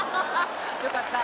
よかった。